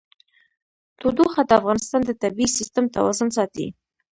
تودوخه د افغانستان د طبعي سیسټم توازن ساتي.